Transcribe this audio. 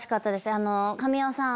あの神尾さん。